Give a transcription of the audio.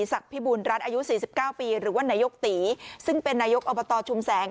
พิบูรณรัฐอายุ๔๙ปีหรือว่านายกตีซึ่งเป็นนายกอบตชุมแสง